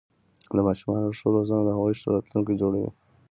د ماشومانو ښه روزنه د هغوی ښه راتلونکې جوړوي.